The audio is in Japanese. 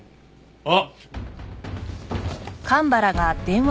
あっ！